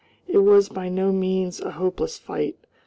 It was by no means a hopeless fight.